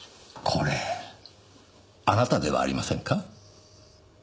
これあなたではありませんか？